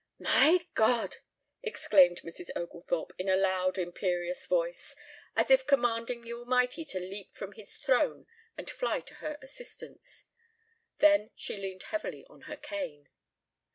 "My God!" exclaimed Mrs. Oglethorpe in a loud imperious voice, as if commanding the Almighty to leap from his throne and fly to her assistance. Then she leaned heavily on her cane.